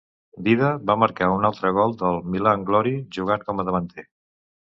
Dida va marcar un altre gol del Milan Glorie jugant com a davanter.